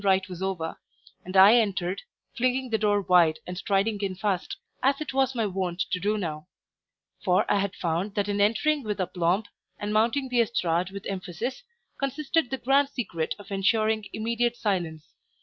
rite was over; and I entered, flinging the door wide and striding in fast, as it was my wont to do now; for I had found that in entering with aplomb, and mounting the estrade with emphasis, consisted the grand secret of ensuring immediate silence.